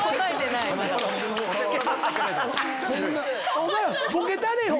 お前ボケたれよ！